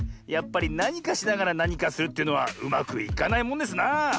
やっぱりなにかしながらなにかするというのはうまくいかないもんですなあ。